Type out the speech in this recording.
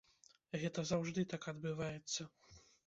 Гэта заўжды так адбываецца.